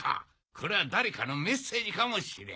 これは誰かのメッセージかもしれん。